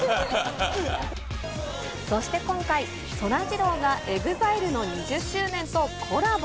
そして今回、そらジローがＥＸＩＬＥの２０周年とコラボ。